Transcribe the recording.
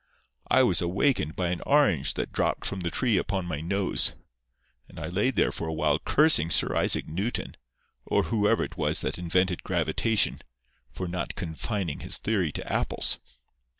I was awakened by an orange that dropped from the tree upon my nose; and I laid there for awhile cursing Sir Isaac Newton, or whoever it was that invented gravitation, for not confining his theory to apples.